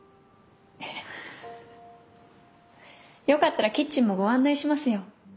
よかったらキッチンもご案内しますよ。